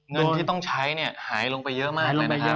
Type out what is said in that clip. เงินที่ต้องใช้เนี่ยหายลงไปเยอะมากเลยนะครับ